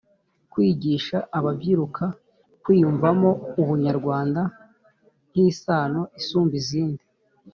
Kwigisha ababyiruka kwiyumvamo Ubunyarwanda nk isano isumba izindi